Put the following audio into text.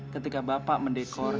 ketika bapak mendekor